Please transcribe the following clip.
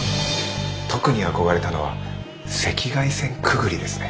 特に憧れたのは赤外線くぐりですね。